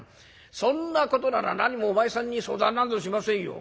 そんなことならなにもお前さんに相談なんぞしませんよ。